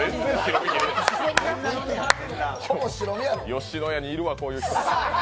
吉野家にいるわ、こういう人。